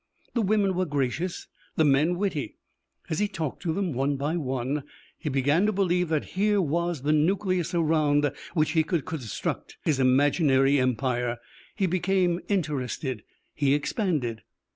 The women were gracious; the men witty. As he talked to them, one by one, he began to believe that here was the nucleus around which he could construct his imaginary empire. He became interested; he expanded.